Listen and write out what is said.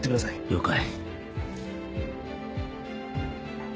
了解。